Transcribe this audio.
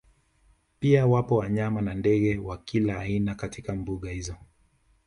Pia wapo wanyama na ndege wa kila aina katika mbuga hizo